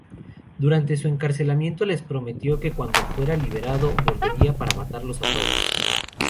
Durante su encarcelamiento, les prometió que cuando fuera liberado volvería para matarlos a todos.